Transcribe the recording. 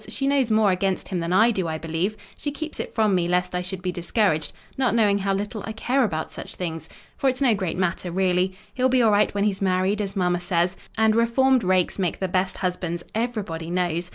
She knows more against him than I do, I believe: she keeps it from me lest I should be discouraged; not knowing how little I care about such things. For it's no great matter, really: he'll be all right when he's married, as mamma says; and reformed rakes make the best husbands, everybody knows.